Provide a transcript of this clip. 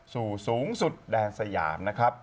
สู่สูงสุดแดนสยาม